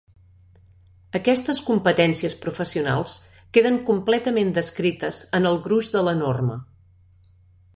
Aquestes competències professionals queden completament descrites en el gruix de la norma.